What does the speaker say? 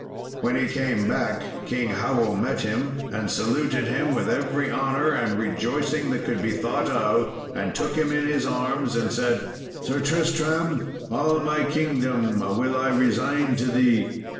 When he came back King Howell met him, and saluted him with every honour and rejoicing that could be thought of, and took him in his arms, and said, "Sir Tristram, all my kingdom will I resign to thee."